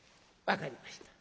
分かりました。